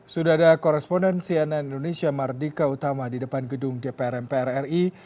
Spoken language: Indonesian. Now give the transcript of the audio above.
sudah ada koresponden cnn indonesia mardika utama di depan gedung dpr mpr ri